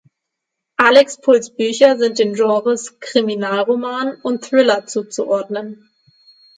Alex Pohls Bücher sind den Genres Kriminalroman und Thriller zuzuordnen.